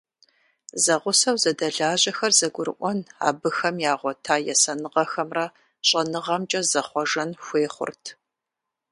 Зэгъусэу зэдэлажьэхэр зэгурыӀуэн, абыхэм ягъуэта есэныгъэхэмрэ щӀэныгъэмкӀэ зэхъуэжэн хуей хъурт.